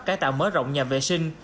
cải tạo mới rộng nhà vệ sinh